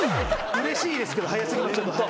うれしいですけど早過ぎ。